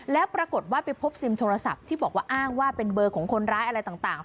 แล้วปรากฏว่าไปพบซิมโทรศัพท์ที่บอกว่าอ้างว่าเป็นเบอร์ของคนร้ายอะไรต่าง